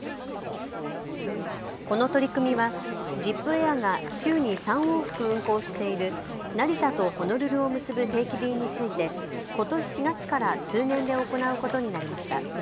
この取り組みはジップエアが週に３往復運航している成田とホノルルを結ぶ定期便についてことし４月から通年で行うことになりました。